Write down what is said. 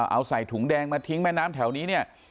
เอาใส่ถุงแดงมาทิ้งแม่น้ำแถวนี้เนี่ย